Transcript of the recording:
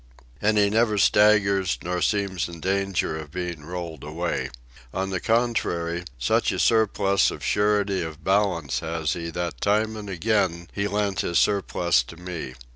And he never staggers nor seems in danger of being rolled away. On the contrary, such a surplus of surety of balance has he that time and again he lent his surplus to me.